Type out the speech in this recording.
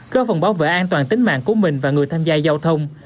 có phần bảo vệ an toàn tính mạng của mình và người tham gia giao thông